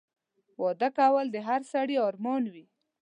واده کول د هر سړي ارمان وي